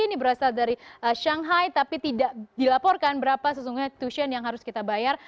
ini berasal dari shanghai tapi tidak dilaporkan berapa sesungguhnya tussion yang harus kita bayar